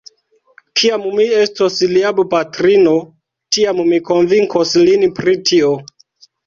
Kiam mi estos lia bopatrino, tiam mi konvinkos lin pri tio.